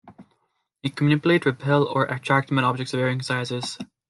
He can manipulate, repel or attract metal objects of varying sizes.